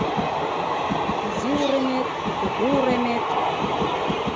Изи уремет, кугу уремет —